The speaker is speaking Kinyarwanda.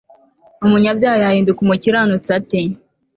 umunyabyaha yahinduka umukiranutsi ate